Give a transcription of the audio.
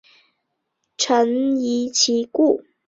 臣疑其故。